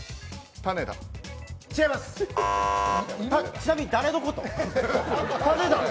ちなみに誰のこと？